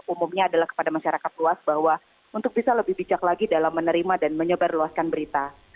umumnya adalah kepada masyarakat luas bahwa untuk bisa lebih bijak lagi dalam menerima dan menyebarluaskan berita